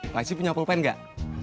pak haji punya pulpen gak